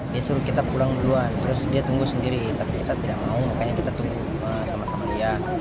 dia suruh kita pulang duluan terus dia tunggu sendiri tapi kita tidak mau makanya kita tunggu sama sama dia